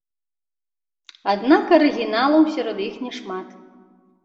Аднак арыгіналаў сярод іх няшмат.